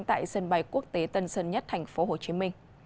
tại sân bay quốc tế tân sơn nhất tp hcm